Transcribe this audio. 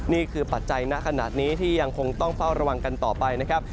นี่คือปัจจัยหน้าขนาดนี้ที่ยังคงต้องเป้าระวังกันต่อไปนะครับ